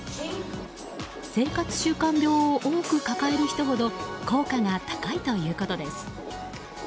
生活習慣病を多く抱える人ほど効果が高いということです。